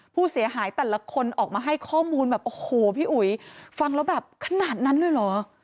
ผู้เสียหายแต่ละคนออกมาให้ข้อมูลแบบโอ้โหพี่อุ๋ยฟังแล้วแบบขนาดนั้นเลยเหรอ